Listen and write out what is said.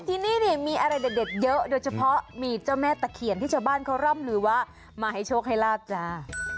ที่นี่มีอะไรเด็ดเยอะโดยเฉพาะมีเจ้าแม่ตะเขียนที่ชาวบ้านเขาร่ำลือว่ามาให้โชคให้ลาบจ้า